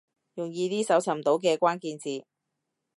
用易啲搜尋到嘅關鍵字